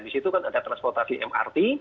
di situ kan ada transportasi mrt